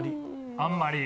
あんまり。